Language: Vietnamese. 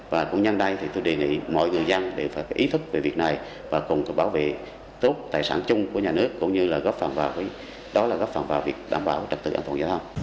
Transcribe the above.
và cũng nhân đây thì tôi đề nghị mọi người dân để phải ý thức về việc này và cùng bảo vệ tốt tài sản chung của nhà nước cũng như là góp phạm vào việc đảm bảo trật tự ẩn phòng giao thông